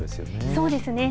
そうですね。